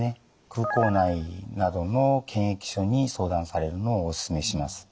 空港内などの検疫所に相談されるのをお勧めします。